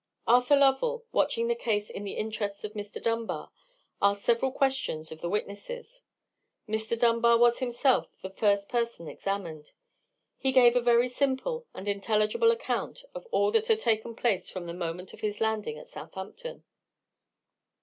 Arthur Lovell, watching the case in the interests of Mr. Dunbar, asked several questions of the witnesses. Henry Dunbar was himself the first person examined. He gave a very simple and intelligible account of all that had taken place from the moment of his landing at Southampton.